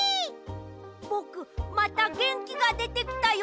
ぼくまたげんきがでてきたよ！